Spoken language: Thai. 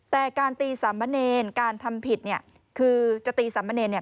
แต่การตีสามเณรการทำผิดเนี่ยคือจะตีสามเนรเนี่ย